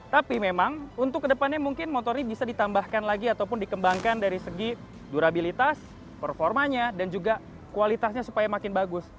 tapi memang untuk kedepannya mungkin motornya bisa ditambahkan lagi ataupun dikembangkan dari segi durabilitas performanya dan juga kualitasnya supaya makin bagus